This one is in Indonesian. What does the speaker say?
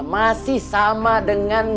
masih sama dengan